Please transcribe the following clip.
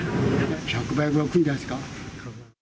１００倍ぐらい来るんじゃないですか。